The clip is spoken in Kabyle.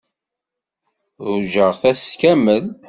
Ṛujaɣ-t ass kamel.